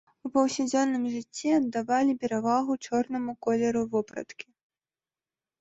У паўсядзённым жыцці аддавалі перавагу чорнаму колеру вопраткі.